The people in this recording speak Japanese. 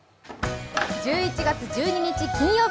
１１月１１日金曜日。